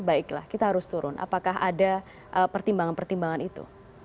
baiklah kita harus turun apakah ada pertimbangan pertimbangan itu